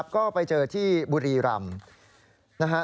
ก็ไปเจอที่บุรีรำนะฮะ